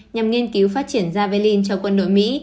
nhằm nghiên cứu phát triển daverlin cho quân đội mỹ